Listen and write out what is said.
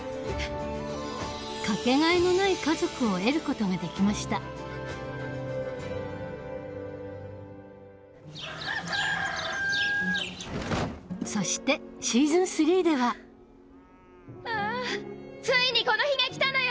かけがえのない家族を得ることができましたそしてシーズン３ではああついにこの日が来たのよ！